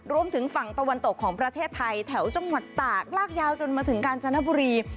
รวมถึงฝั่งตะวันตกของประเทศไทยแถวจังหวัดตากลากยาวจนมาถึงกาญจนบุรี